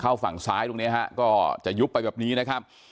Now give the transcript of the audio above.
ฝั่งซ้ายตรงนี้ฮะก็จะยุบไปแบบนี้นะครับ